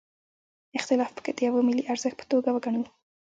اختلاف پکې د یوه ملي ارزښت په توګه وګڼو.